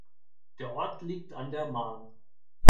Der Ort liegt an der Marne.